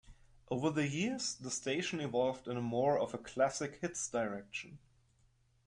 Over the years, the station evolved in more of a classic hits direction.